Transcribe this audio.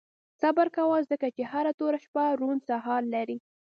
• صبر کوه، ځکه چې هره توره شپه روڼ سهار لري.